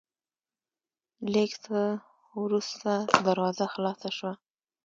لېږ څه ورورسته دروازه خلاصه شوه،